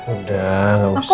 udah gak usah